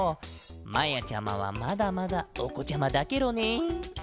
まやちゃまはまだまだおこちゃまだケロね。